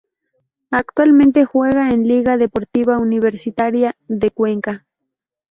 Actualmente juega en Liga Deportiva Universitaria de Cuenca.